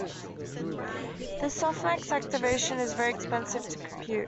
The softmax activation is very expensive to compute.